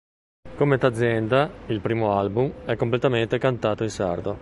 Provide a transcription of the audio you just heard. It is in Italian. Come "Tazenda", il primo album, è completamente cantato in sardo.